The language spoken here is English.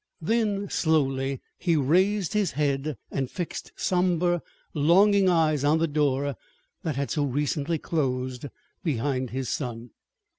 Then slowly he raised his head and fixed somber, longing eyes on the door that had so recently closed behind his son.